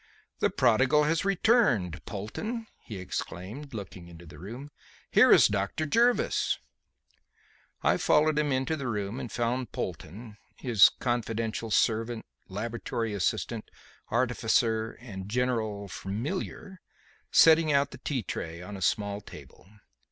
"The prodigal has returned, Polton," he exclaimed, looking into the room. "Here is Dr. Jervis." I followed him into the room and found Polton his confidential servant, laboratory assistant, artificer and general "familiar" setting out the tea tray on a small table.